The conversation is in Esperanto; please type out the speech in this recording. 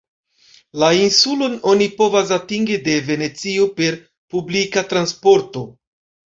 La insulon oni povas atingi de Venecio per publika transporto.